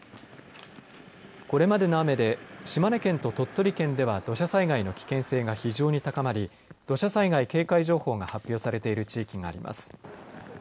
これまでの雨で島根県と鳥取県では土砂災害の危険が非常に高まり土砂災害警戒情報が発表されている地域があります。